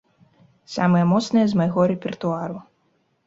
Самыя моцныя з майго рэпертуару.